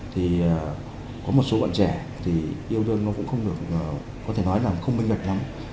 thì có một số bạn trẻ thì yêu đương nó cũng không được có thể nói là không minh bạch lắm